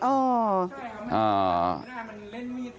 เขาเนี่ยเคย